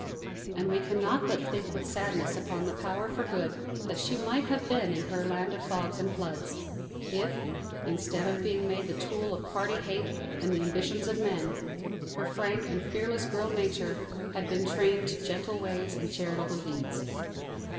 And we cannot but think with sadness upon the power for good that she might have been in her land of fogs and floods if, instead of being made the tool of party hate and the ambitions of men, her frank and fearless girl nature had been trained to gentle ways and charitable deeds.